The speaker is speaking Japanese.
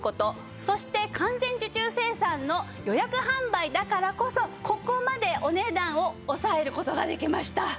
そして完全受注生産の予約販売だからこそここまでお値段を抑える事ができました。